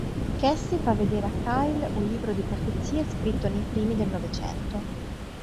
Cassie fa vedere a Kyle un libro di profezie scritto nei primi del Novecento.